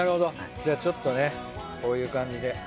じゃちょっとねこういう感じで。